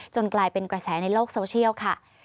กลายเป็นกระแสในโลกโซเชียลค่ะ